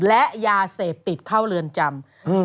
และยาเสพติดเข้าเรือนจำ